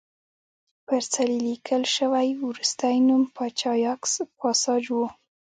پر څلي لیکل شوی وروستی نوم پاچا یاکس پاساج و